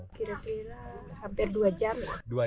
kira kira hampir dua jam ya